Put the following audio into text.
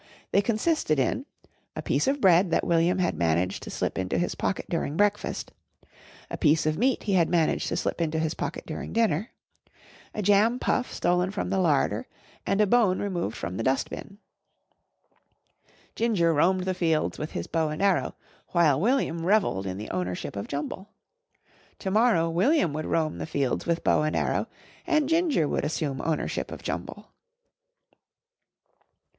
They consisted in a piece of bread that William had managed to slip into his pocket during breakfast, a piece of meat he had managed to slip into his pocket during dinner, a jam puff stolen from the larder and a bone removed from the dustbin. Ginger roamed the fields with his bow and arrow while William revelled in the ownership of Jumble. To morrow William would roam the fields with bow and arrow and Ginger would assume ownership of Jumble.